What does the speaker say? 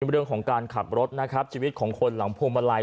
เรื่องของการขับรถนะครับชีวิตของคนหลังพวงมาลัย